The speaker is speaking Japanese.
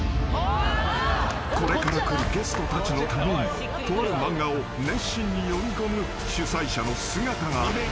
［これから来るゲストたちのためにとある漫画を熱心に読みこむ主催者の姿があった］